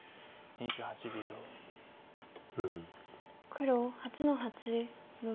黒８の八ノビ。